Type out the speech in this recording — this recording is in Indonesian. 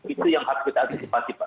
itu yang harus kita asikipasipan